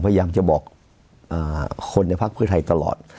พยายามจะบอกคนในพักเพื่อไทยตลอด